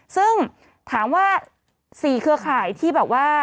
ซึ่งถามว่า๔เครือข่ายที่แบบว่า